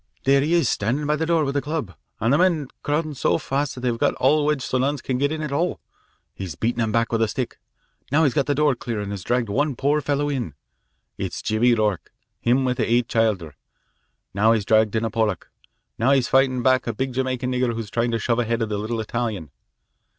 "There he is, standin' by the door with a club, an' the men's crowdin' so fast that they're all wedged so's none can get in at all. He's beatin' 'em back with the stick. Now, he's got the door clear and has dragged one poor fellow in. It's Jimmy Rourke, him with the eight childer. Now he's dragged in a Polack. Now he's fightin' back a big Jamaica nigger who's tryin' to shove ahead of a little Italian."